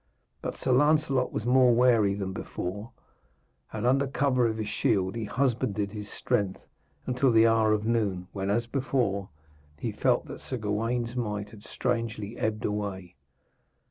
But Sir Lancelot was more wary than before, and under cover of his shield he husbanded his strength until the hour of noon, when, as before, he felt that Sir Gawaine's might had strangely ebbed away.